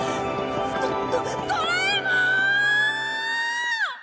ドドドラえもん！